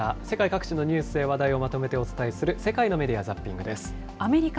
世界各地のニュースや話題をまとめてお伝えする、世界のメディア・ザッピングです。